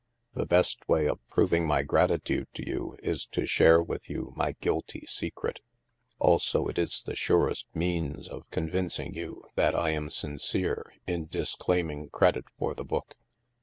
The best way of proving my gratitude to you is to share with you my guilty secret. Also, it is the surest means of convincing you that I am sincere in dis claiming credit for the book.